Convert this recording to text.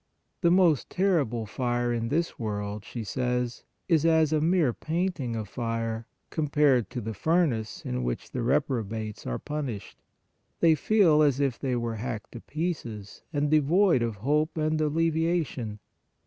The most terrible fire in this world, she says, is as a mere painting of fire compared to the furnace in which the reprobates are punished. They feel as if they were hacked to pieces, and devoid of hope and alleviation.